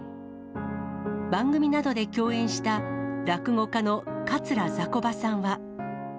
番組などで共演した、落語家の桂ざこばさんは。